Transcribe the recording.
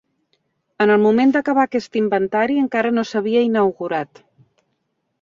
En el moment d'acabar aquest inventari encara no s'havia inaugurat.